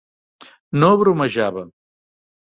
No bromejava.